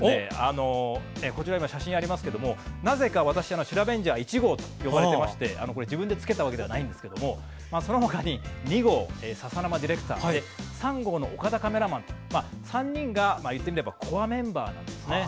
なぜか私がシラベンジャー１号と呼ばれていまして自分でつけたわけじゃないんですけどその他に２号、笹沼ディレクター３号の岡田カメラマン３人が言ってみればコアメンバーなんです。